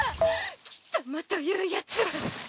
貴様というヤツは。